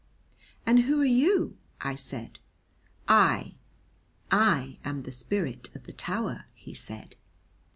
"And who are you?" I said. "I, I am the spirit of the tower," he said.